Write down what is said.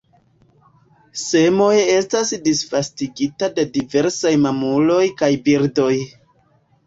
Semoj estas disvastigita de diversaj mamuloj kaj birdoj.